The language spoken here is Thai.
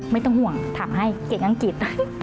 ไม่ต้องห่วงทำให้เก่งอังกฤษ